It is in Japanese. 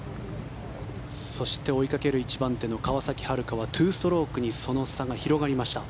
そして、追いかける１番手の川崎春花は２ストロークにその差が広がりました。